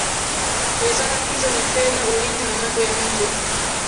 Wizara hizo ni Fedha Ulinzi na Mambo ya Nje